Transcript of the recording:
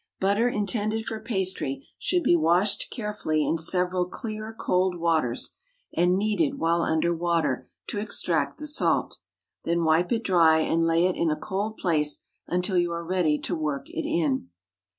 Butter intended for pastry should be washed carefully in several clear, cold waters, and kneaded while under water, to extract the salt. Then wipe it dry and lay it in a cold place until you are ready to work it in.